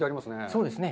そうですね。